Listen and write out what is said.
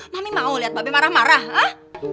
mami mau lihat babe marah marah hah